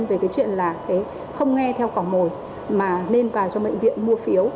về cái chuyện là không nghe theo cỏ mồi mà nên vào cho bệnh viện mua phiếu